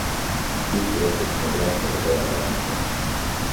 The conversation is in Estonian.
Tihti lõppesid need ränkade verevalamistega.